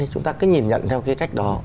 chúng ta cứ nhìn nhận theo cái cách đó